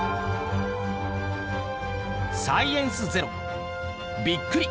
「サイエンスＺＥＲＯびっくり！